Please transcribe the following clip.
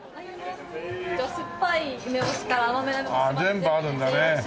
全部あるんだね。